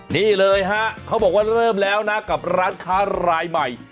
นี่เลยฮะเขาบอกว่าเริ่มแล้วนะกับร้านค้ารายใหม่